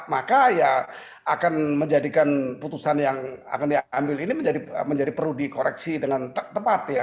maka ya akan menjadikan putusan yang akan diambil ini menjadi perlu dikoreksi dengan tepat ya